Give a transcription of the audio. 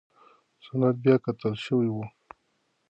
سند بیاکتل شوی و.